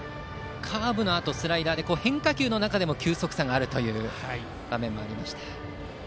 カーブのあとスライダーで変化球の中でも球速差があるという場面もありました。